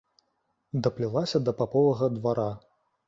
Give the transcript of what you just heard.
Даплялася да паповага двара.